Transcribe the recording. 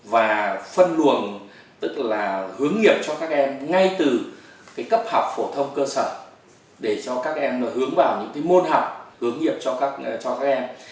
và phân luồng tức là hướng nghiệp cho các em ngay từ cấp học phổ thông cơ sở để cho các em hướng vào những môn học hướng nghiệp cho các em